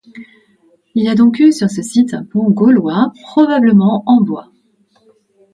Il y a donc eu sur ce site un pont gaulois probablement en bois.